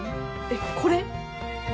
えっこれ？